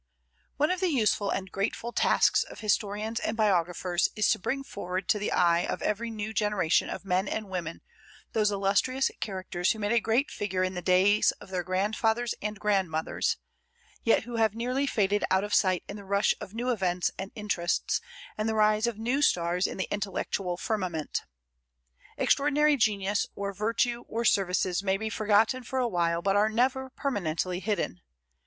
One of the useful and grateful tasks of historians and biographers is to bring forward to the eye of every new generation of men and women those illustrious characters who made a great figure in the days of their grandfathers and grandmothers, yet who have nearly faded out of sight in the rush of new events and interests, and the rise of new stars in the intellectual firmament. Extraordinary genius or virtue or services may be forgotten for a while, but are never permanently hidden.